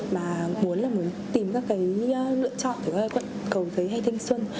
mà muốn tìm các lựa chọn từ quận cầu thế hay thanh xuân